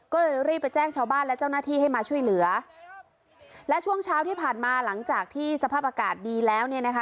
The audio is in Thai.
ก็เลยรีบไปแจ้งชาวบ้านและเจ้าหน้าที่ให้มาช่วยเหลือและช่วงเช้าที่ผ่านมาหลังจากที่สภาพอากาศดีแล้วเนี่ยนะคะ